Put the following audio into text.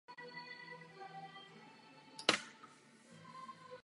Po ukončení hráčské kariéry se stal v týmu Dynama trenérem brankářů.